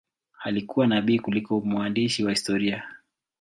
Alikuwa nabii kuliko mwandishi wa historia.